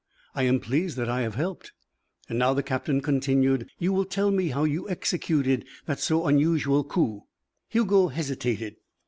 "I am pleased that I have helped." "And now," the captain continued, "you will tell me how you executed that so unusual coup." Hugo hesitated.